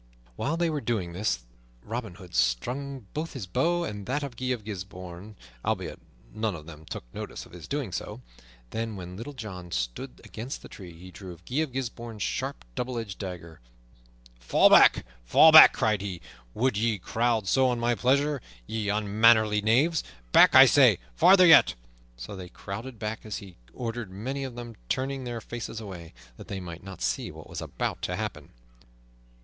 While they were doing this Robin Hood strung both his bow and that of Guy of Gisbourne, albeit none of them took notice of his doing so. Then, when Little John stood against the tree, he drew Guy of Gisbourne's sharp, double edged dagger. "Fall back! fall back!" cried he. "Would ye crowd so on my pleasure, ye unmannerly knaves? Back, I say! Farther yet!" So they crowded back, as he ordered, many of them turning their faces away, that they might not see what was about to happen.